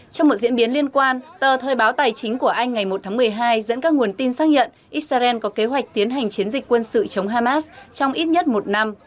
trong một diễn biến liên quan tờ thời báo tài chính của anh ngày một tháng một mươi hai dẫn các nguồn tin xác nhận israel có kế hoạch tiến hành chiến dịch quân sự chống hamas trong ít nhất một năm